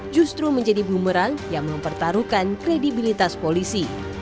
justru menjadi bumerang yang mempertaruhkan kredibilitas polisi